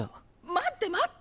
待って待って！